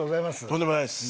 とんでもないです。